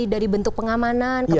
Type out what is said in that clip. dari bentuk pengamanan ke pemerintah juga